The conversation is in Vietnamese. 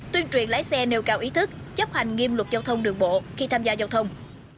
tuyên truyền lái xe nêu cao ý thức chấp hành nghiêm luật giao thông đường bộ khi tham gia giao thông